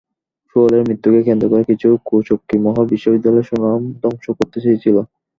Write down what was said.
সোহেলের মৃত্যুকে কেন্দ্র করে কিছু কুচক্রী মহল বিশ্ববিদ্যালয়ের সুনাম ধ্বংস করতে চেয়েছিল।